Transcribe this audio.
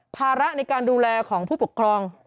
ภาระในการดูแลของผู้ปกครอง